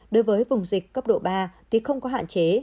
đối với vùng dịch cấp độ ba thì không có hạn chế